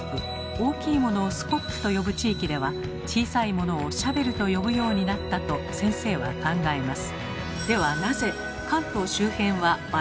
大きいものをスコップと呼ぶ地域では小さいものをシャベルと呼ぶようになったと先生は考えます。